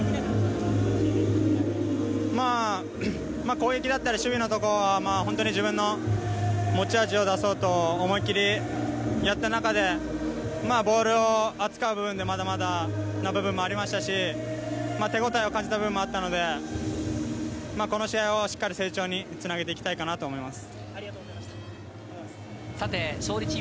攻撃だったり、守備だったりは自分の持ち味を出そうと思いっきりやった中で、ボールを扱う部分でまだまだな部分もありましたし、手応えを感じた部分もあったので、この試合をしっかり成長に繋げていきたいかなと思います。